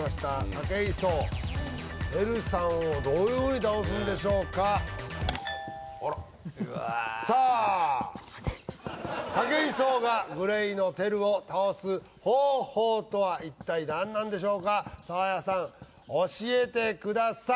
武井壮ＴＥＲＵさんをどういうふうに倒すんでしょうかさあ待って待って武井壮がＧＬＡＹのＴＥＲＵを倒す方法とは一体何なんでしょうかサーヤさん教えてください